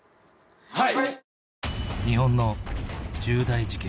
はい！